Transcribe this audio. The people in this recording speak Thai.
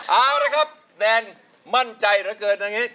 เอาละครับแดนมั่นใจเหลือเกินอย่างนี้